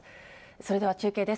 それでは中継です。